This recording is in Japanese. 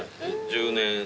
１０年。